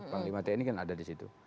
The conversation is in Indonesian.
panglima tni kan ada di situ